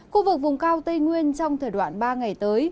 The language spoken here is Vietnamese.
khu vực vùng cao tây nguyên trong thời đoạn ba ngày tới